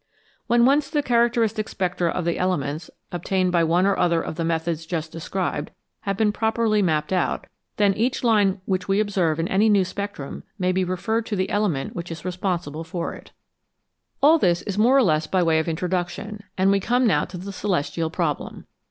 When once the characteristic spectra of the elements, obtained by one or other of the methods just described, have been properly mapped out, then each line which we observe in any new spectrum may be referred to the element which is responsible for it. 209 o CHEMISTRY OF THE STARS All this is more or less by way of introduction, and we come now to the celestial problem.